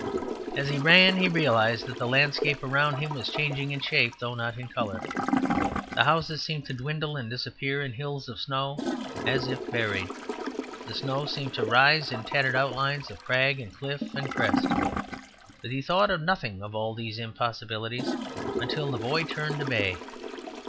As he ran he realized that the landscape around him was changing in shape though not in colour. The houses seemed to dwindle and disappear in hills of snow as if buried; the snow seemed to rise in tattered outlines of crag and cliff and crest, but he thought nothing of all these impossibilities until the boy turned to bay.